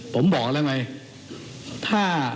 ผมบอกแล้วไง